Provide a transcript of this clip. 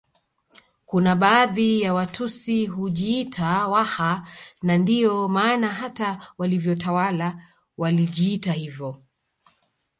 Kuna baadhi ya Watusi hujiita Waha na ndiyo maana hata walivyotawala walijiita hivyo